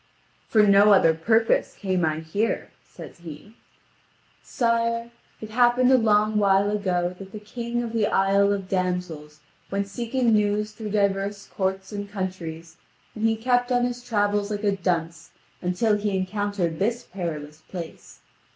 "For no other purpose came I here," says he. "Sire, it happened a long while ago that the king of the Isle of Damsels went seeking news through divers courts and countries, and he kept on his travels like a dunce until he encountered this perilous place.